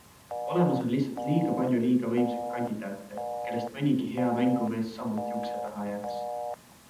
Olemas on lihtsalt liiga palju liiga võimsaid kandidaate, kellest mõnigi hea mängumees samuti ukse taha jääks.